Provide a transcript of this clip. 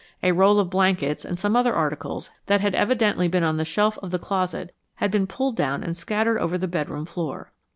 A roll of blankets and some other articles that had evidently been on the shelf of the closet had been pulled down and scattered over the bedroom floor.